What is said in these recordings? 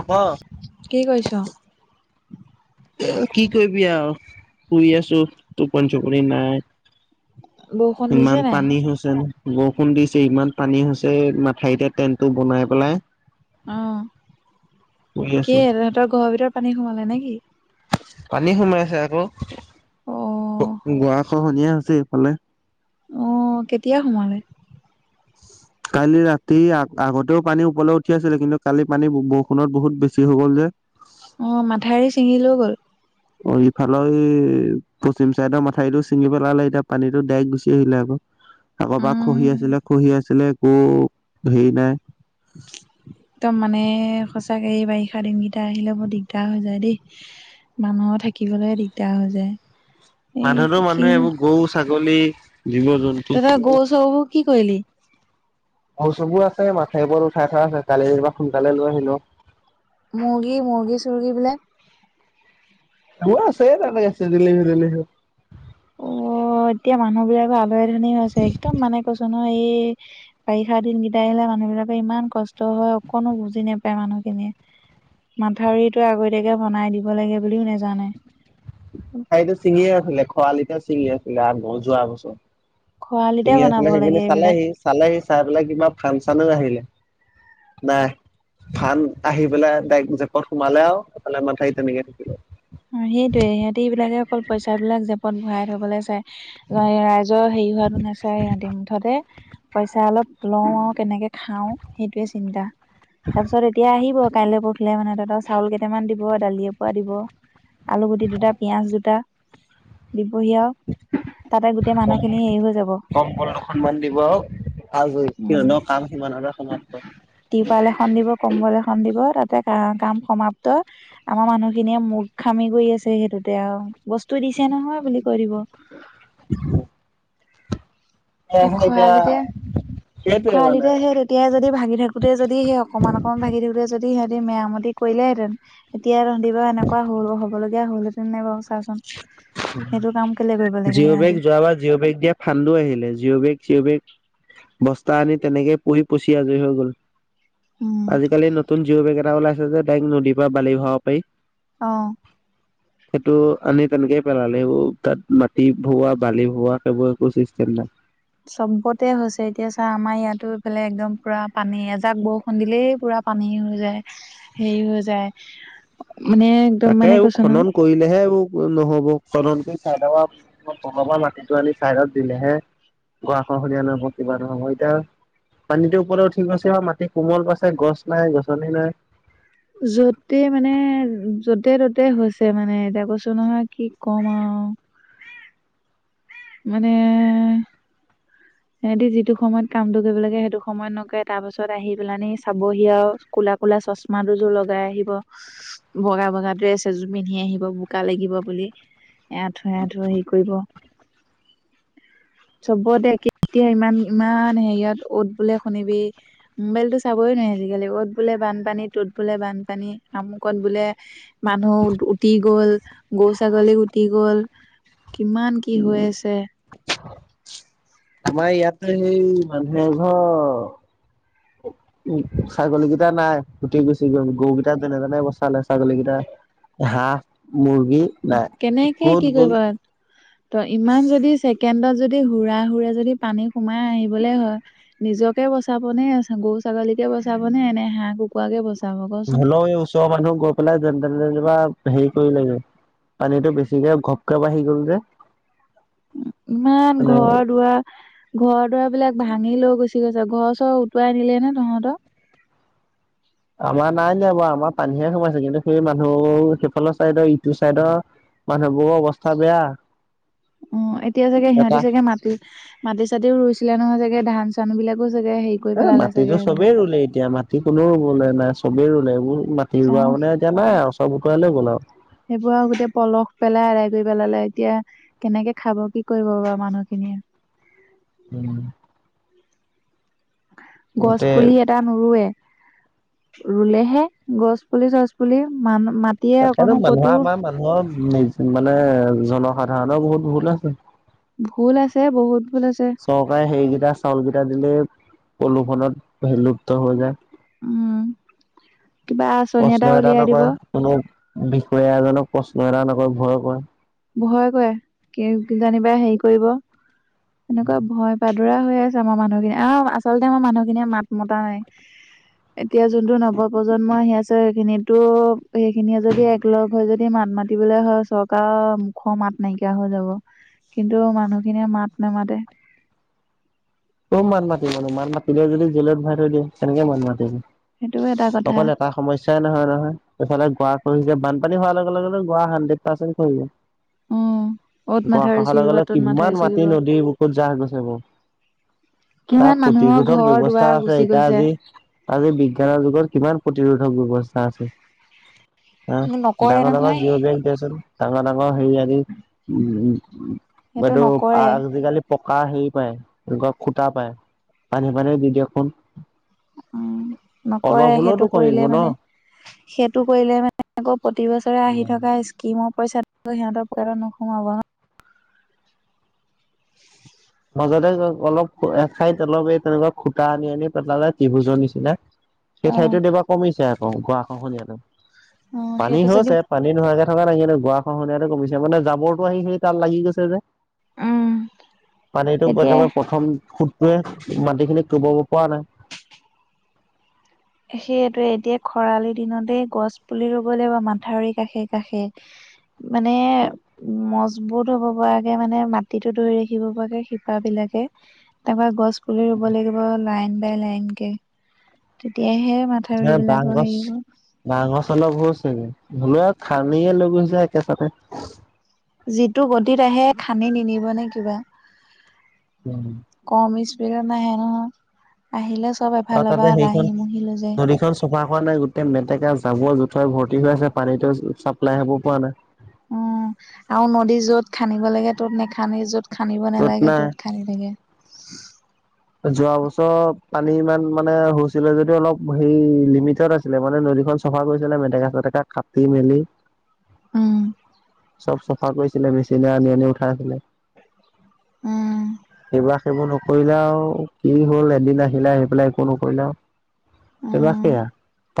হ'ব। কি কৰিছ? কি কৰিবি আও শুই আছো, টোপনি চোপনি নাই। বৰষুণ দিছে ইমান নাই? পানী হৈছে বৱষুণ দিছে ইমান পানী হৈছে মাথাউতে টেনটটো বনাই পেলাই অ' শুই কি আছো তঁহতৰ ঘৰৰ ভিতৰত পানী সোমালে নেকি? পানী সোমাইছে আক, অ', গোৱা খহনীয়া হৈছে এইফালে। অঁ কেতিয়া সোমালে? [inaudible] কালি ৰাতি, আগতেও পানী ওপৰলৈ উঠি আছিলে কিন্তু, কালি পানী বৰষুণত বহুত বেছি হৈ গ'ল যে। অঁ মাথাউৰি ছিঙি লৈ গ'ল? অঁ, ইফালৰ সেই পশ্চিম চাইডৰ মাথাউৰিটো ছিঙি পেলালে, এতিয়া পানীতটো ডাইক গুচি আহিলে আক। আগৰ পৰা খহি উম, আছিলে, খহি আছিলে, একো হেৰি নাই একদম মানে সঁচাকে, এই বাৰিষা দিনগিটা আহিলে বৰ দিগদাৰ হৈ যায় দেই। মানুহৰ থাকিবলে দিগদাৰ হৈ যায়। এই মানুহতো কি মানুহে, এইবোৰ গৰু, ছাগলী, জীৱ জন্তু তহঁতৰ গৰু, চৰুবোৰ কি কৰিলি? গৰু, চৰুবোৰ আছে। মথাউৰি ওপৰত উঠাই থোৱা আছে, কালি যেনিবা সোনকালে লৈ আহিলো। মুৰ্গী, মুৰ্গী চুৰ্গী বিলাক? সেইবোৰ আছে তাতে ছেদেলি- ভেদেলি হৈ। অঁ, এতিয়া মানুহবিলাকৰ আলৈ- আঠনি হৈছে একদম মানে কৈছো নহয় এই বাৰিষা দিনকেইটা আহিলে, মানুহ বিলাকৰ ইমান কষ্ট হয় অকণো বুজি নাপায় মানুহখিনিয়ে। মাথাউৰিটো আগতীয়াকে বনাই দিব লাগে বুলিও নেজানে। ঠাইটো ছিঙিয়ে আছিলে খৰালিটে ছিঙি আছিলে আগবল, যোৱা বছৰ। খৰালিতে ছিঙি বনাব আছিলে লাগে সেইখিনি এইবিলাক চালেহি, চালেহি চাই পেলাই কিবা ফান-চানো আহিলে। নাই! ফান আহি পেলাই ডাইক জেপত সোমালে আও এফালে মাথাউৰি তেনেকে থাকিলে। অঁ, সেইটোয়ে সিহঁতে এইবিলাকে অকল পইচাবিলাক জেপত ভৰাই থবলৈ চাই। ৰাই ৰাইজৰ হেৰি হোৱাতো নাচাই সিহঁতি মুঠতে পইচা অলপ লওঁ আও কেনেকে খাওঁ, সেইটোয়ে চিন্তা, তাৰপিছত এতিয়া আহিব কাইলৈ প পৱখিলে মানে তহতক চাউল কেইটামান দিব দালি এপোৱা দিব আলুগুটি দুটা, পিয়াজ দুটা দিবহি আও কম যাব কম্বল দুখনমান দিব আও আজই সিহঁতৰ কাম সিমানতে সমাপ্ত তিপাল এখন দিব, কম্বল এখন দিব, তাতে কা কাম সমাপ্ত আমাৰ মানুহখিনিয়ে মো খামি কৰি আছে সেইটোতে আও বস্তু দিছে নহয় বুলি কৈ দিব। উম হেয়ে হে এতিয়া সেইটোৱে মানে খৱালিতে সে তেত তেতিয়া যদি ভাগি থাকোঁতে যদি সেই অকণমান অকণমান ভাগি থাকোতে যদি, সিহঁতে মেৱামতি কৰিলেহেঁতেন এতিয়া তঁহতিবা এনেকুৱা হ' হবলগীয়া হল হেতে নে বাও। লাগে জিঅ' সিহঁতি বেগ যোৱা বাৰ জিঅ' বেগ দিয়া ফান্ডো আহিলে। জিঅ' বেগ চিঅ' বেগ বস্তা আনি তেনেকে, পই, পচি আজৰি হৈ গ'ল। উম আজিকালি নতুন জিউ বেগ এটা ওলাইছে যে তাইক নদীৰ পৰা বালি ভৰাব পাৰি। অ সেইটো আনি তেনেকে পেলালে অ সেইবোৰ তাত মাটি ভৰোৱা বালি ভৰোৱা সেইবোৰ একো চিষ্টেম নাই। চবতে হৈছে এতিয়া চা আমাৰ ইয়াতো এইফালে একদম পুৰা পানী এজাক বৰষুণ দিলেই পুৰা পানী হৈ যায়, হেৰি হৈ যায় মানে একদম তাকে মানে আৰু কৈছো নহয় খনন কৰিলেহে আৰু নহ'ব। খনঙ্গৰি চাইড বগাবা মাটিটো আনি চাইডত দিলেহে গৰাখহনীয়া নহ'ব কিবা নহয় এতিয়া পানীটোৰ ওপৰত উঠি গৈছে আৰু মাটি কোমল পাইছে গছ নাই, গছনি নাই। যতেই মানে যতে ত'তে হৈছে মানে, এতিয়া কৈছো নহয় কি ক'ম আৰু। মানে সিহঁতি যিটো সময়ত কামটো কৰিব লাগে সেইটো সময়ত নকৰে, তাৰ পাছত আহি পেলানি চাবহি আৰু কোলা ক'লা চশমা দুযোৰ লগাই আহিব। বগা বগা ড্ৰেছ এযোৰ পিন্ধি আহিব বোকা লাগিব বুলি, এআথুৱ এআঠুৱ হেৰি কৰিব। চবতে একে এতিয়া ইমান ইমান হেৰিয়ত অত বোলে শুনিবি মোবাইলটো চাবই নোৱি আজিকালি অ'ত বোলে বানপানী ত'ত বোলে বানপানী, আমুকত বোলে মানুহ উটি গ'ল, গৰু-ছাগলী উটি গ'ল, কিমান কি হৈ আছে। আমাৰ ইয়াতে সেই মানুহে এঘৰ উ ছাগলীকেইটা নাই, গুটি গুচি গ'ল গৰুকেইটা তেনেধণে বচালে, ছাগলীকেইটা, হাঁহ, মুৰ্গী, নাই কেনেকে ক'ত কি গ'ল কৰিবা? ত ইমান যদি ছেকেণ্ডত যদি হুৰা হুৰে যদি পানী সোমাই আহিবলে হয়, নিজকে বচাব নে, গৰু-ছাগলীকে বচাব নে, এনে হাঁহ কুকু কুকুৰাকে বচাব কচোন হ'লেও ওচৰৰ মানুহ গৈ পেলাই যেন তেনে যেনিবা হেৰি কৰিলেগে পানীটো বেছিকে ঘপক বাঢ়ি গ'ল যে, ইমান মানে ঘৰ-দুৱাৰ ঘৰ-দুৱাৰ বিলাক ভাঙি লৈ গুচি গৈছে। ঘৰ-চৰ উটুৱাই নিলে নে তহঁতৰ? আমাৰ নাই নিয়া বাৰু, আমাৰ পানীহে সোমাইছে। কিন্তু সেই মানুহ সেইফালৰ চাইদৰ ইটো চাইদৰ মানুহবোৰ অৱস্থা বেয়া। উম এতিয়া চাগে সিহঁতি এটা চাগে মাত মাটি-চাতিও ৰুইছিলে নহয় চাগে, ধান-চান বিলাকো চাগে হেৰি কৰি এ পেলালে চাগে মাটিটো সেইবিলাক। চবেই ৰুলে এতিয়া, মাটি কোনো মানে নাই চবেই ৰুলে এইবোৰ ম ৰুৱা চাওঁ মানে এতিয়া নাই আৰু চব উটুৱাই লৈ গ'ল আৰু। সেইবোৰ আৰু গোটেই পলস পেলাই এৰাই কৰি পেলালে এতিয়া কেনেকে খাব? কি কৰিব বাৰু মানুহ খিনিয়ে? উম গছ গোটে পুলি এটা টা নুৰুৱে, ৰুলেহে গছ পুলি চছ পুলি মান মাত এতিয়া অকনো ক'তো অ মানে জনসাধাৰণৰ বহুত ভুল আছে, ভুল আছে বহুত ভুল আছে। চৰকাৰে সেইকেইটা চাউল কেইটা দিলেই প্ৰদূষনত ভিলুপ্ত হৈ যায়। উম কিবা আচনি প্ৰশ্ন এটা উলিয়াই দিব। নকৰে কোনো বিষয়া এজনক প্ৰশ্ন এটা নকয় ভয়ে কয়। ভয় কয় কি কি জানিবা হেৰি কৰিব এনেকুৱা ভয় পাদুৰা হৈ আছ- যে আমা মানুহখিনি আও আচলতে আমা মানুহখিনিয়ে মাত মতা নাই। এতিয়া যোনটো নৱপ্ৰজন্ম আহি আছে সেইখিনিয়েটো সেইখিনিয়ে যদি লগ হৈ যদি মাত মাতিবলে হয় চৰকাৰ মুখৰ মাত নাইকিয়া হৈ যাব, কিন্তু মানুহখিনিয়ে মাত নেমাতে। ক'ত মাত মাতিবনো মাত মাতিলে যদি জেলত ভৰাই থৈ দিয়ে কেনেকে মাত মাতিম সেইটোও এটা কথা অকল এটা সমস্যাই নহয় নহয় এইফালে গোৱা খহিছে বানপানী হোৱাৰ লগে লগে গোৱা হাড্ৰেড পাৰ্চেণ্ট খহিব। [inaudible] অ'ত গোৱা মাথাউৰি খহাৰে ছিগিব লগে ত'ত মাথাউৰি কিমান ছিগিব মাটি নদী বুকুত জাহ গৈছে নো। তাৰ কিমান মানুহৰ প্ৰতিৰোধক ঘৰ ব্যৱস্থা দুৱাৰ আছে গুচি ইতা গৈছে যি আজি বিজ্ঞানৰ যুগৰ কিমান প্ৰতিৰোধক ব্যৱস্থা আছে। আহ নকৰে ডাঙৰ ডাঙৰ নহয় জিঅ' বেংক তে চোন ডাঙৰ ডাঙৰ হেৰি আলিত [unintelligible] সেইটো বাদো পাৰ নকৰে আজিকালি পকা হেৰি পায় এনেকুৱা খুটা পায় পানীয়ে পানীয়ে দি দিয়কচোন। উ অলপ নকৰে হ'লেওতো সেইটো কমিব কৰিলে ন মানে সেইটো কৰিলে মানে আকৌ প্ৰতি বছৰে আহি থকা স্কিমৰ পইচাটো সিহঁতৰ পকেটত নোসোমাব ন [inaudible] মাজতে যে অলপ খাইত অলপ এই তেনেকুৱা খুটা আনি আনি পেলালে টিভুজৰ নিচিনা সেই ঠাইতে দেবা কমিছে আকৌ গোৱা খহনীয়াটো অ অ পানী সেইটো হৈ যদি হৈছে পানী নোহোৱাকে থকা নাই কিন্তু গোৱা খহনীয়াটো কমিছে মানে জাবৰটো সি তাল লাগি গৈছে যে উম পানীটোক এতিয়া একেবাৰে প্ৰথম সুতটোৱে মাটি খিনি কটোবাব পৰা নাই। সেইটোৱে এতিয়া খৰালি দিনতে গছ পুলি ৰুব লাগিব মাথাউৰি কাষে কাষে মানে উ মজবুত হব পৰাকে মানে মাটিটো ধৰি ৰাখিব পৰাকে শিপাবিলাকে তা পা গছ পুলি ৰুব লাগিব লাইন বাই লাইন কে। তেতিয়াহে মাথাউৰিবলাকৰ হেৰি হ'ব বাহ গছ অলপ হৈছে ধলোৱে খানিয়ে লৈ গৈছে একেচাতে যিটো গতিত আহে খান্দি নিনিব নে কিবা। উ। কম স্পীডত নাহে নহয়, আহিলে চব আৰু এফাল পা তাতে সেইখন দাহি মুহি লৈ যায়। নদীখন চফা কৰা নাই গোটেই মেটেকা জাবৰ জোথৰ ভৰ্তি হৈ আছে পানীতো চাপ্লাই হব পৰা নাই। উম আও নদী য'ত খানিব লাগে ত'ত নেখানেই য'ত খানিব য'ত নালাগে নাই ত'ত খানি থাকে। যোৱা বছৰ পানী ইমান মানে হৈছিলে যদি অলপ সেই লিমিটড আছ- আছিলে মানে নদীখন চাফা কৰিছিলে মেটেকা চেটেকা কাটি মেলি [inaudible] চব চফা কৰিছিলে মেচিনে আনি আনি উঠাইছিলে। উম। সেইবিলাক সেইবোৰ নকৰিলাও কি হল এদিন আহিলে আহি পেলাই একো নকৰিলাও তাপা উম সেয়া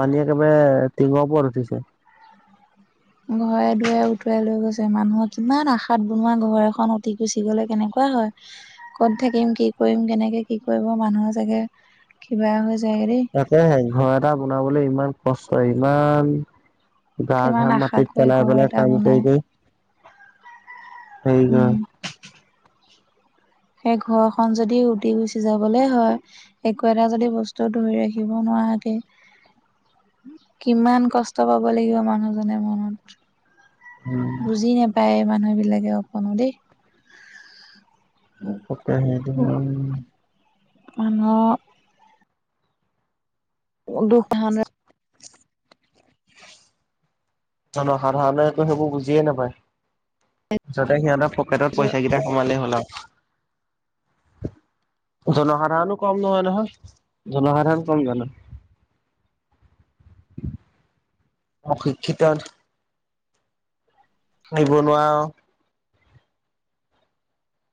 পানী একেবাৰে টিঙৰ পৰত উঠিছে। ঘৰে দুৱাই উঠুৱাই লৈ গৈছে মানুহক কিমান আশাত বনোৱা ঘৰ এখন উতি গুচি গলে কেনেকুৱা হয়। ক'ত থাকিম, কি কৰিম, কেনেকে কি কৰিব মানুহৰ চাগে কিবা হৈ যায় গে দেই। তাকেহে ঘৰ এটা বনাবলৈ ইমান কষ্ট ইমান গা ঘা কিমান ঘম আশা মাটিত কৰি চলাই ঘৰ পেলাই এটা কাম কৰি বনাই কৰি আহিলো। উম সেই ঘৰখন যদি উটি গুচি যাবলৈ হয়। একো এটা যদি বস্তু ধৰি ৰাখিব নোৱাৰাকে কিমান কষ্ট পাব লাগিব মানুহজনে মনত উম বুজি নাপায় মানুহ বিলাকে অকনো দেই। ফটকৰে নিদোং মানুহক দুখ ধাৰণা সাধাৰণতে সেইবোৰ বুজিয়ে নাপায় যাতে সিহঁতৰ পকেটত পইচা কেইটা। কমালেই হ'ল আৰু জনসাধাৰণো কম নহয় নহয়। জনসাধাৰণ কম জানো। অ শিক্ষিত নিবনুৱা আৰু